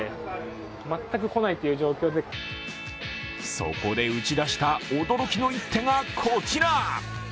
そこで打ち出した驚きの一手がこちら。